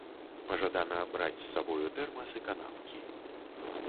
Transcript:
Пажадана браць з сабою тэрмас і канапкі.